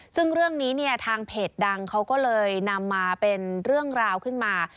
ซึ่งเรื่องนี้เนี่ยทางเพจดังเขาก็เลยนำมาเป็นเรื่องราวขึ้นมา